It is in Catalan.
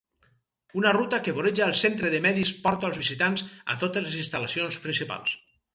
Una ruta que voreja el centre de medis porta els visitants a totes les instal·lacions principals.